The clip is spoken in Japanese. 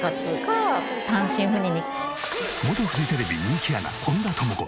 元フジテレビ人気アナ本田朋子